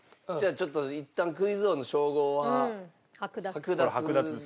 ちょっといったんクイズ王の称号は剥奪で。